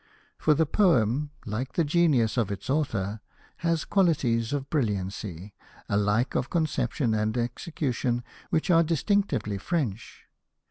For the poem, like the genius of its author, has qualities of brilliancy, alike of conception and execution, which are distinctively French.